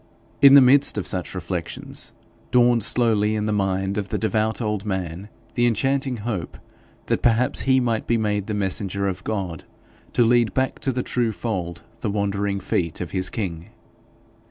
In the midst of such reflections, dawned slowly in the mind of the devout old man the enchanting hope that perhaps he might be made the messenger of God to lead back to the true fold the wandering feet of his king.